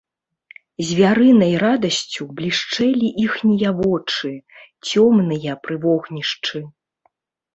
Звярынай радасцю блішчэлі іхнія вочы, цёмныя пры вогнішчы.